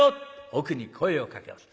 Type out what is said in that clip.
奥に声をかけます。